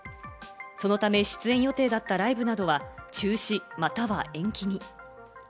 そのため出演予定だったライブなどは中止、または延期に。